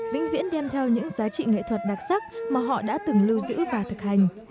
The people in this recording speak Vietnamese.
vĩnh viễn đem theo những giá trị nghệ thuật đặc sắc mà họ đã từng lưu giữ và thực hành